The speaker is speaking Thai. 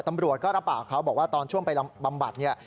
แต่ตำรวจก็รับป่าวเขาบอกว่าตอนช่วงไปบำบัด